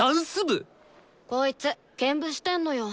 こいつ兼部してんのよ。